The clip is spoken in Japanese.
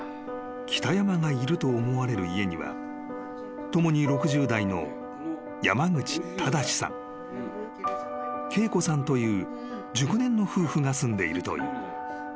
［北山がいると思われる家には共に６０代の山口正さん恵子さんという熟年の夫婦が住んでいるという］